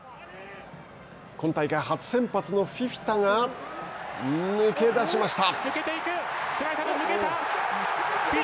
今大会初先発のフィフィタが抜け出しました。